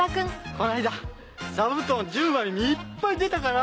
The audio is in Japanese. この間座布団１０枚いっぱい出たから。